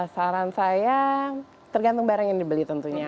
saran saya tergantung barang yang dibeli tentunya